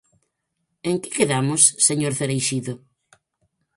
¿En que quedamos, señor Cereixido?